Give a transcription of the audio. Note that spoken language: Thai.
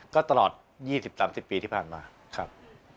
ก็ตลอด๒๐๓๐ปีที่ผ่านมาครับ